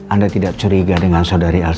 anda tidak curiga dengan saudari